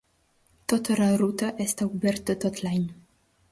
Tota la ruta està oberta tot l'any.